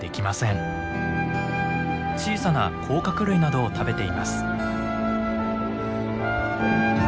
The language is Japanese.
小さな甲殻類などを食べています。